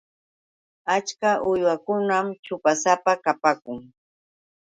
Achka uywakunam ćhupasapa kapaakun.